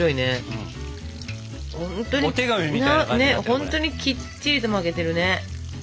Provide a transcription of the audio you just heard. ほんとにきっちり巻けてるね。